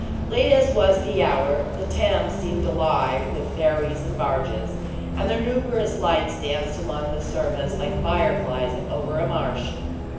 Late as was the hour, the Thames seemed alive with ferries and barges, and their numerous lights danced along the surface like fire flies over a marsh.